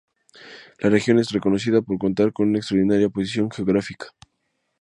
La región es reconocida por contar con una extraordinaria posición geográfica.